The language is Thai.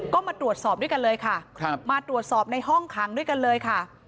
ก็มาตรวจสอบด้วยกันเลยค่ะมาตรวจสอบในห้องขังด้วยกันเลยค่ะ